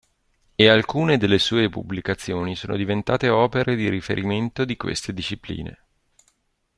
E alcune delle sue pubblicazioni sono diventate opere di riferimento di queste discipline.